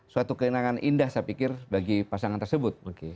suatu keinangan indah saya pikir bagi pasangan tersebut